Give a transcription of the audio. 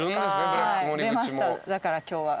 だから今日は。